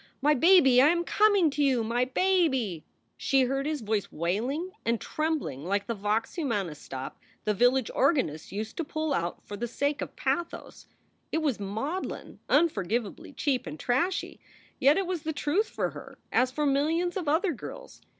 My baby, I am coming to you! My baby! " She heard his voice wailing and trembling like the vox humana stop the village organist used to pull out for the sake of pathos. It was maudlin, unforgivably cheap and trashy, yet it was the truth for her, as for millions of other girls.